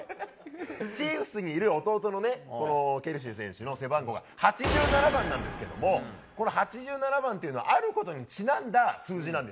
チーフスにいる弟のね、このケルシー選手の背番号が８７番なんですけど、この８７番っていうのは、あることにちなんだ数字なんです。